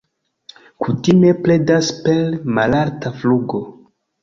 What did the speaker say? Kutime predas per malalta flugo.